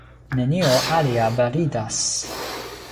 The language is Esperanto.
Nenio alia validas.